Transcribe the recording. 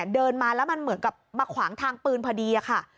เดินมาแล้วมันเหมือนกับมาขวางทางปืนพอดีค่ะ